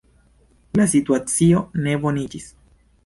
La situacio ne boniĝis.